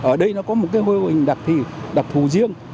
ở đây nó có một cái hồ hình đặc thù riêng